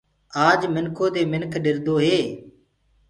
آج منکو دي منک ڏردوئي